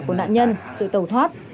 của nạn nhân rồi tàu thoát